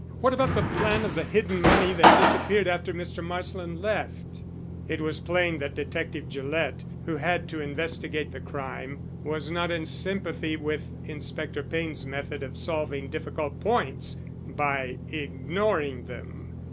What about the plan of the hidden money that disappeared after Mr. Marsland left?" It was plain that Detective Gillett, who had to investigate the crime, was not in sympathy with Inspector Payne's method of solving difficult points by ignoring them.